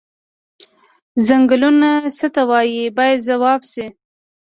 څنګلونه څه ته وایي باید ځواب شي.